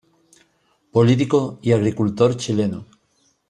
Político y agricultor chileno.